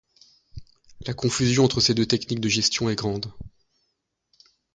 La confusion entre ces deux techniques de gestion est grande.